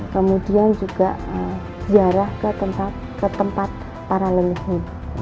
kemudian juga ziarah ke tempat para leluhur